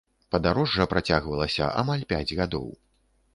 Падарожжа працягвалася амаль пяць гадоў.